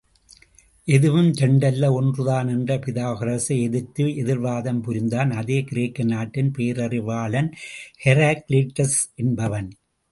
எதுவும் இரண்டல்ல ஒன்றுதான் என்ற பிதாகொரசை எதிர்த்து எதிர்வாதம் புரிந்தான் அதே கிரேக்க நாட்டின் பேரறிவாளன் ஹெராக்ளிட்டஸ் என்பவன்!